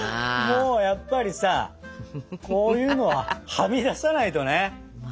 もうやっぱりさこういうのははみ出さないとね。